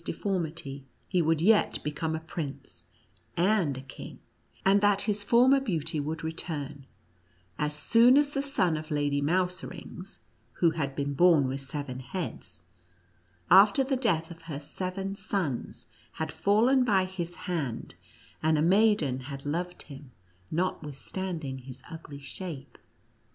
deformity, he would yet become a prince and a king ; and that his former beauty would return, as soon as the son of Lady Mouserings, who had been born with seven heads, after the death of her seven sons, had fallen by his hand, and a maiden had loved him, notwithstanding his ugly shape.